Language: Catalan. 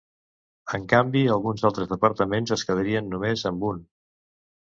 En canvi, alguns altres departaments es quedarien només amb un.